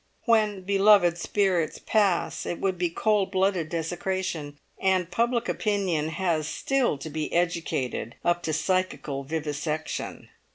When beloved spirits pass it would be cold blooded desecration; and public opinion has still to be educated up to psychical vivisection!